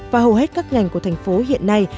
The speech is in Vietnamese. và hầu hết các ngành của thành phố hiện nay